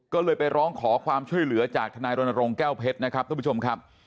ก็เลยไปร้องขอความช่วยเหลือจากทนายรณรงค์แก้วเพชรนะครับทุกผู้ชมครับ